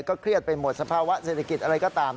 เครียดไปหมดสภาวะเศรษฐกิจอะไรก็ตาม